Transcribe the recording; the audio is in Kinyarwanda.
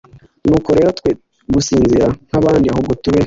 Nuko rero twe gusinzira nk abandi ahubwo tube